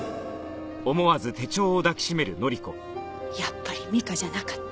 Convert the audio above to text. やっぱり美香じゃなかった。